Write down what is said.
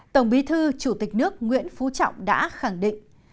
tổng bí thư chủ tịch nước nguyễn phú trọng đã khẳng định